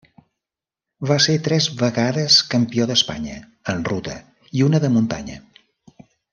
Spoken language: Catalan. Va ser tres vegades campió d'Espanya en ruta i una de muntanya.